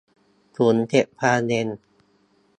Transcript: ถุงเก็บความเย็น